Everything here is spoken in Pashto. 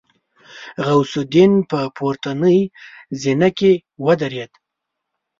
غوث الدين په پورتنۍ زينه کې ودرېد.